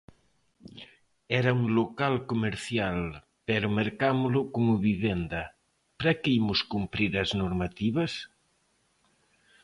Era un local comercial pero mercámolo como vivenda, ¿para que imos cumprir as normativas?